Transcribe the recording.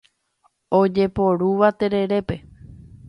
Ojeporúva tererépe.